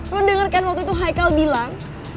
lo dengerkan waktu itu haikal bilang